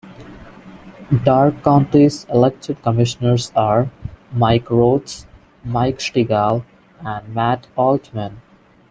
Darke County's elected commissioners are: Mike Rhoades, Mike Stegall, and Matt Aultman.